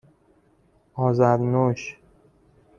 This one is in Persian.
آذرنوش